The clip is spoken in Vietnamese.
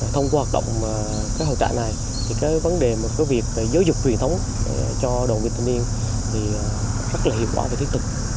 thông qua hoạt động các hội trại này vấn đề việc giáo dục truyền thống cho đồng viên thanh niên rất hiệu quả và thiết tực